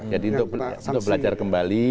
jadi untuk belajar kembali